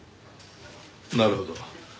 なるほど。